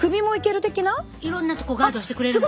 いろんなとこガードしてくれるのね。